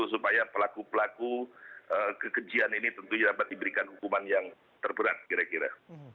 supaya pelaku pelaku kekejian ini tentunya dapat diberikan hukuman yang terberat kira kira